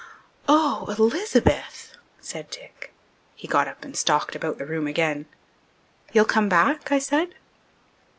"Oh, Elizabeth!" said Dick. He got up and stalked about the room again. "You'll come back?" I said.